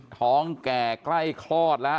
ท้องแก่ใกล้คลอด